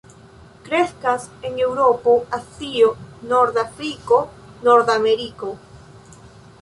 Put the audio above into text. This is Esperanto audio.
Kreskas en Eŭropo, Azio, norda Afriko, Nordameriko.